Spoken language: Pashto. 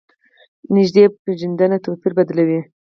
نږدې پېژندنه توپیر بدلوي.